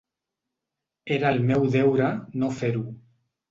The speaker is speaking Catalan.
Era el meu deure no fer-ho.